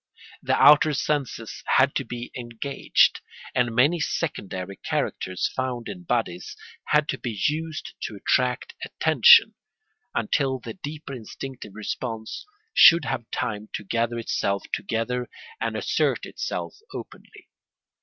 The outer senses had to be engaged, and many secondary characters found in bodies had to be used to attract attention, until the deeper instinctive response should have time to gather itself together and assert itself openly.